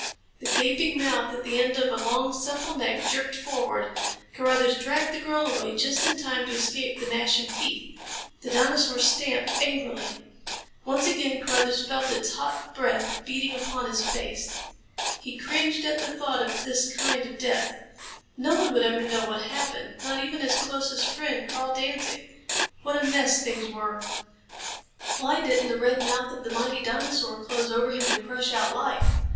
The gaping mouth at the end of a long, supple neck jerked forward. Carruthers dragged the girl away just in time to escape the gnashing teeth. The dinosaur stamped angrily. Once again Carruthers felt its hot breath beating upon his face. He cringed at the thought of this kind of death. No one would ever know how it happened. Not even his closest friend, Karl Danzig! What a mess things were. Why didn't the red mouth of the mighty dinosaur close over him and crush out life?